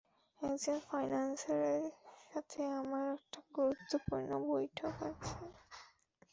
একজন ফাইন্যান্সারের সাথে আমার একটা গুরুত্বপূর্ণ বৈঠক আছে।